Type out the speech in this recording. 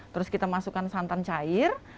terus kita masukkan santan cair